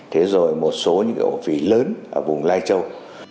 thế rồi một số những cái ổ phí lớn ở vùng lai châu